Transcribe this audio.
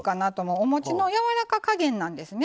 おもちのやわらか加減なんですね。